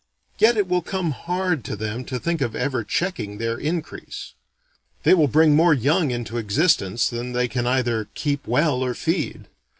Yet it will come hard to them to think of ever checking their increase. They will bring more young into existence than they can either keep well or feed.